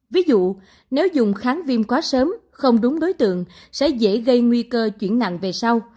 ví dụ nếu dùng kháng viêm quá sớm không đúng đối tượng sẽ dễ gây nguy cơ chuyển nặng về sau